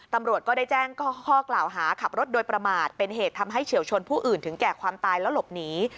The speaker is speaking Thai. ตำรวจก็ได้แจ้งข้อกล่าวหาขับรถโดยประมาทเป็นเหตุทำให้เฉียวชนผู้อื่นถึงแก่ความตายแล้วหลบหนี